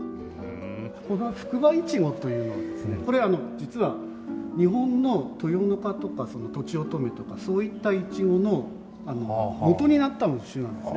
これはフクバイチゴというこれ実は日本のとよのかとかとちおとめとかそういったイチゴのもとになった種なんですね。